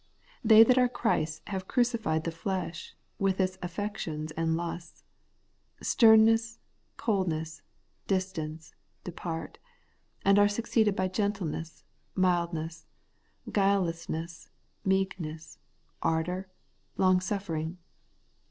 They that are Christ's have crucified the flesh, with its afifections and lusts. Sternness, coldness, distance, depart; and' are succeeded by gentleness, mildness, guilelessness, meekness, ardour, long suffering.